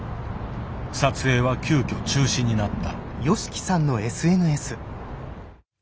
撮影は急きょ中止になった。